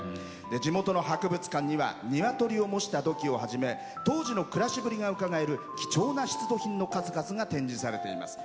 地元の博物館には鶏を模した土器をはじめ当時の暮らしぶりがうかがえる貴重な出土品の数々が展示されています。